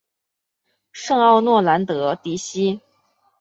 圣奥诺兰德迪西。